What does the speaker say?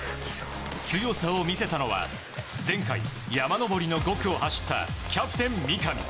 強さを見せたのは前回、山登りの５区を走ったキャプテン、三上。